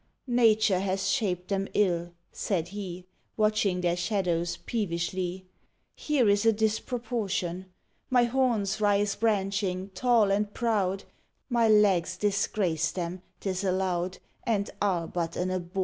"Nature has shaped them ill," said he, Watching their shadows peevishly: "Here is a disproportion! My horns rise branching, tall, and proud; My legs disgrace them, 'tis allowed, And are but an abortion."